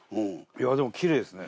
いやでもきれいですね